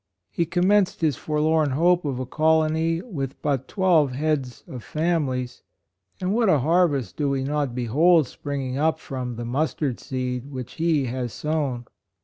He commenced his for lorn hope of a colony with but twelve heads of families, and what a harvest do we not behold spring ing up from "the mustard seed" which he has sown